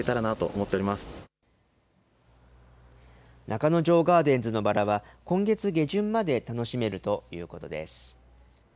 中之条ガーデンズのバラは、今月下旬まで楽しめるということです。